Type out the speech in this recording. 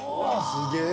すげえ。